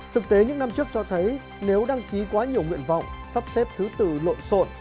thực tế những năm trước cho thấy nếu đăng ký quá nhiều nguyện vọng sắp xếp thứ từ lộn xộn